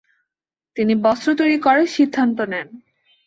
তিনি বস্ত্র তৈরি করার সিদ্ধান্ত নেন।